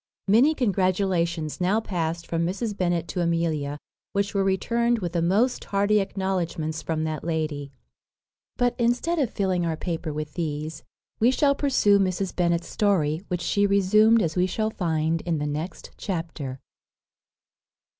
Many congratulations now past from Mrs. Bennet to Amelia, which were returned with the most hearty acknowledgments from that lady. But, instead of filling our paper with these, we shall pursue Mrs. Bennet's story, which she resumed as we shall find in the next chapter.